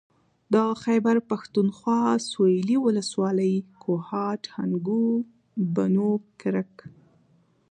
د خېبر پښتونخوا سوېلي ولسوالۍ کوهاټ هنګو بنو کرک